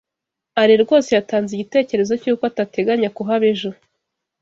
Alain rwose yatanze igitekerezo cyuko atateganya kuhaba ejo.